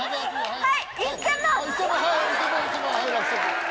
はい！